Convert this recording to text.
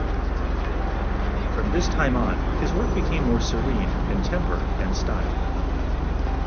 From this time on, his work became more serene in temper and style.